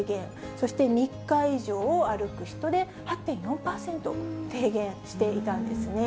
そして、３日以上歩く人で８．４％低減していたんですね。